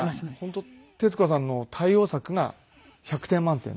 本当徹子さんの対応策が１００点満点で。